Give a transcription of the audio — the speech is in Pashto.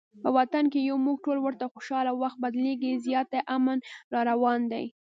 په وطن کې یو موږ ټول ورته خوشحاله، وخت بدلیږي زیاتي امن راروان دي